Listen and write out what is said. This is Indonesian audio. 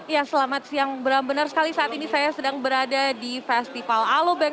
ya selamat siang bram benar sekali saat ini saya sedang berada di festival alobank